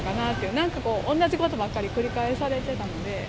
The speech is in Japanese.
なんかこう、同じことばっかり繰り返されてたので。